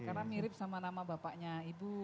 karena mirip sama nama bapaknya ibu